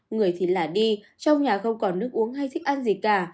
người thì lả đi trong nhà không còn nước uống hay thích ăn gì cả